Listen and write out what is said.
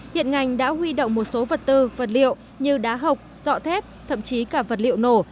hiện ngành đã huy động một số vật tư vật liệu như đá hộc dọ thép thậm chí cả vật liệu nổ